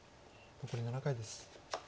残り７回です。